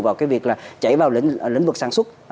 vào việc chạy vào lĩnh vực sản xuất